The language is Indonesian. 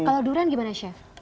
kalau durian gimana chef